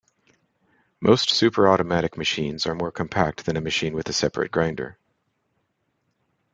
Most super-automatic machines are more compact than a machine with a separate grinder.